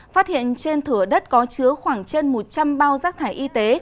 phát hiện trên thửa đất có chứa khoảng trên một trăm linh bao rác thải y tế